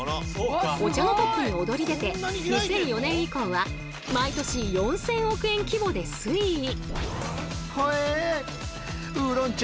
お茶のトップに躍り出て２００４年以降は毎年４，０００億円規模で推移。